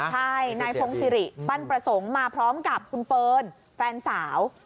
ใช่นายพงศิริปั้นประสงค์มาพร้อมกับคุณเฟิร์นแฟนสาว